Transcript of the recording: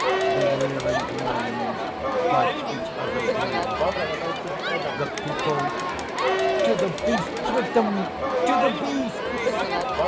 _ The rearing lions bite each other's manes;) THE PEOPLE "To the beasts with them, to the beasts."